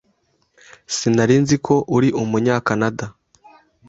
Sinari nzi ko uri Umunyakanada.